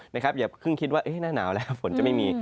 อย่าเพิ่งคิดว่าหน้าหนาวแล้วฝนจะไม่มี